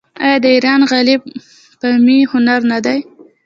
آیا د ایران غالۍ بافي هنر نه دی؟